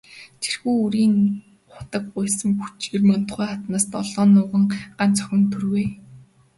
Тэрхүү үрийн хутаг гуйсан хүчээр Мандухай хатнаас долоон нуган, гагц охин төрвэй.